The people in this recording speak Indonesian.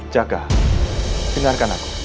jaga dengarkan aku